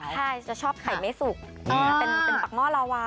ใช่จะชอบไข่ไม่สุกเป็นปากหม้อลาวา